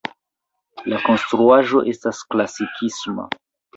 La konstruaĵo estas klasikisma.